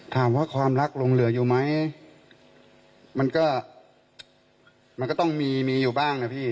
ถามว่าความรักลงเหลืออยู่ไหมมันก็มันก็ต้องมีมีอยู่บ้างนะพี่